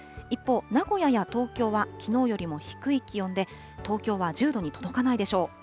一方、名古屋や東京はきのうよりも低い気温で、東京は１０度に届かないでしょう。